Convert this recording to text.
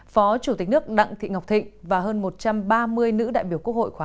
phó chủ tịch nước đặng thị ngọc thịnh và hơn một trăm ba mươi nữ đại biểu quốc hội khóa một mươi